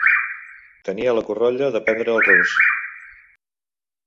Tenia la curolla d'aprendre el rus.